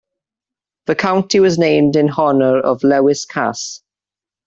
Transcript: The county was named in honor of Lewis Cass.